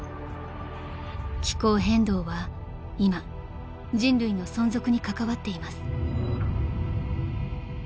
［気候変動は今人類の存続に関わっています］